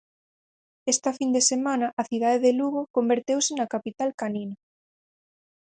Esta fin de semana a cidade de Lugo converteuse na capital canina.